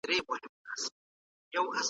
کاروان د غرونو او اوبو ښکلي انځورونه کاږي.